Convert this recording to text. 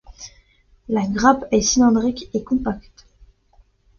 La grappe est cylindrique et compacte.